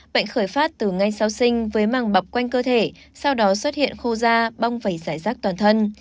bệnh khởi phát từ ngay sau sinh với màng bọc quanh cơ thể sau đó xuất hiện khô da bong phải giải rác toàn thân